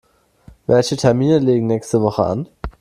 Welche Termine liegen nächste Woche an?